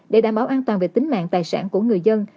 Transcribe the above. để đảm bảo an toàn về tính mạng tài sản của người dân